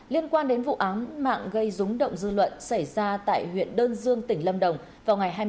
liên quan đến vụ ám mạng gây rúng động dư luận xảy ra tại huyện đơn dương tỉnh lâm đồng